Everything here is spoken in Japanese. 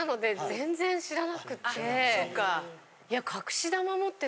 あそっか。